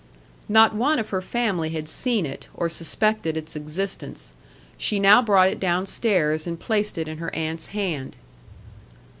Not one of her family had seen it, or suspected its existence. She now brought it downstairs and placed it in her aunt's hand.